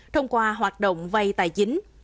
thông qua hoạt động vay tài chính